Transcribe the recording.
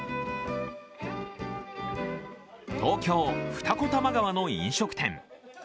東京・二子玉川の飲食店。